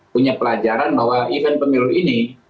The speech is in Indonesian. punya pelajaran bahwa event pemilu ini